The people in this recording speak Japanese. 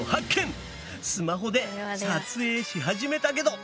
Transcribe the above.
スマホで撮影し始めたけど。